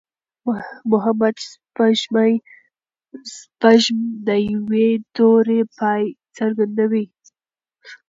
محمد شپږم د يوې دورې پای څرګندوي.